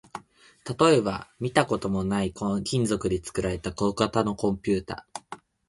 例えば、見たこともない金属で作られた小型のコンピュータ